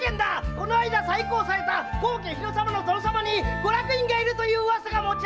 この間再興された高家日野様の殿様にご落胤がいるという噂だ！